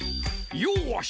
よし！